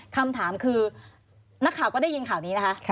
คำถามคือนักข่าวก็ได้ยินข่าวนี้นะคะ